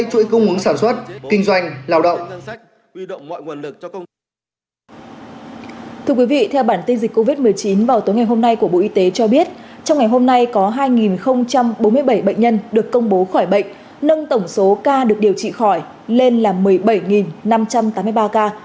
thưa quý vị theo bản tin dịch covid một mươi chín vào tối ngày hôm nay của bộ y tế cho biết trong ngày hôm nay có hai bốn mươi bảy bệnh nhân được công bố khỏi bệnh nâng tổng số ca được điều trị khỏi lên là một mươi bảy năm trăm tám mươi ba ca